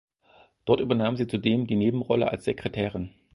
Dort übernahm sie zudem eine Nebenrolle als Sekretärin.